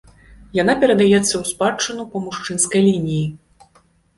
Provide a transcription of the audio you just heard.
Яна перадаецца ў спадчыну па мужчынскай лініі.